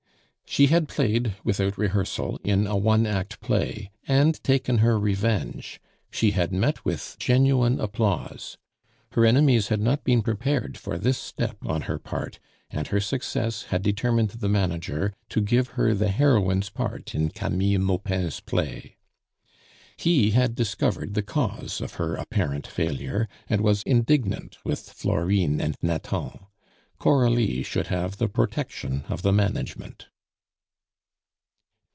She had played without rehearsal in a one act play, and taken her revenge. She had met with genuine applause. Her enemies had not been prepared for this step on her part, and her success had determined the manager to give her the heroine's part in Camille Maupin's play. He had discovered the cause of her apparent failure, and was indignant with Florine and Nathan. Coralie should have the protection of the management.